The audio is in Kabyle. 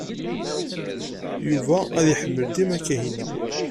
Yuba ad iḥemmel dima Kahina.